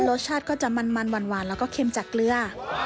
รสชาติก็จะมันหวานแล้วก็เค็มจากเกลือ